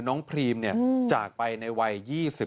น้องพรีมเนี่ยจากไปในวัย